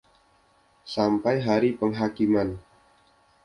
Sampai Hari Penghakiman.